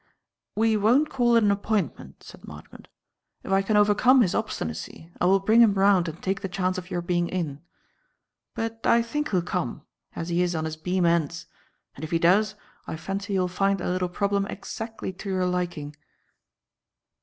"We won't call it an appointment," said Marchmont. "If I can overcome his obstinacy, I will bring him round and take the chance of your being in. But I think he'll come, as he is on his beam ends; and if he does, I fancy you will find the little problem exactly to your liking."